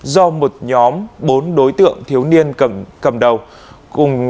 do một nhóm bốn đối tượng thiếu niên cầm đầu cùng